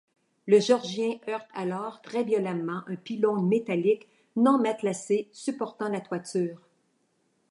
Le Géorgien heurte alors très violemment un pylône métallique non matelassé supportant la toiture.